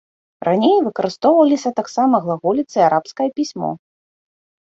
Раней выкарыстоўваліся таксама глаголіца і арабскае пісьмо.